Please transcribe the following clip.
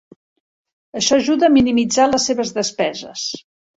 Això ajuda a minimitzar les seves despeses.